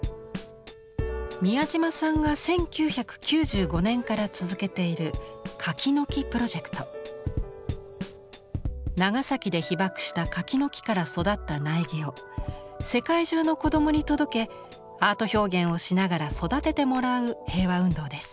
宮島さんが１９９５年から続けている長崎で被爆した柿の木から育った苗木を世界中の子どもに届けアート表現をしながら育ててもらう平和運動です。